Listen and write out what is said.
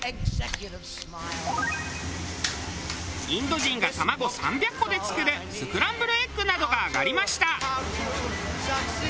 インド人が卵３００個で作るスクランブルエッグなどが挙がりました。